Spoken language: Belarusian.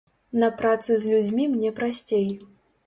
На працы з людзьмі мне прасцей.